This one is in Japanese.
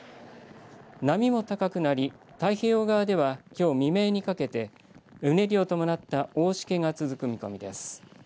波も高くなり太平洋側ではきょう未明にかけてうねりを伴った大しけが続く見込みです。